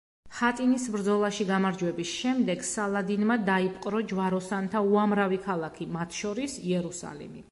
ჰატინის ბრძოლაში გამარჯვების შემდეგ, სალადინმა დაიპყრო ჯვაროსანთა უამრავი ქალაქი, მათ შორის იერუსალიმი.